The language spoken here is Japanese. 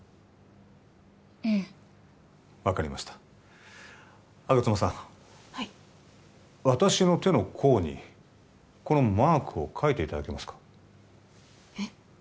ええ分かりました吾妻さんはい私の手の甲にこのマークを描いていただけますかえっ？